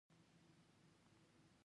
هوا هم قراره شوه.